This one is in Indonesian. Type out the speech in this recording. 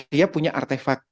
dia punya artefak